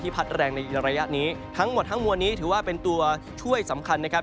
พัดแรงในระยะนี้ทั้งหมดทั้งมวลนี้ถือว่าเป็นตัวช่วยสำคัญนะครับ